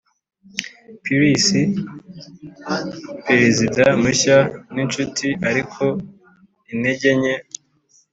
pierce, perezida mushya, ninshuti ariko intege nke